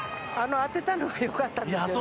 当てたのが良かったんですね。